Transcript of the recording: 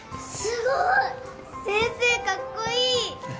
すごい！先生かっこいい。